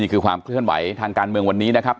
ความเคลื่อนไหวทางการเมืองวันนี้นะครับ